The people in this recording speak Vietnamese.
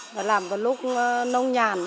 và làm vào lúc nông nhàn